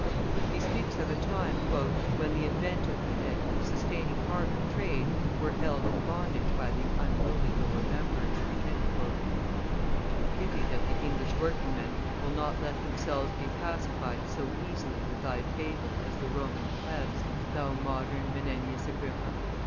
He speaks of a time {222b} "when the inventive head and the sustaining heart of trade were held in bondage by the unruly lower members." A pity that the English working men will not let themselves be pacified so easily with thy fable as the Roman Plebs, thou modern Menenius Agrippa!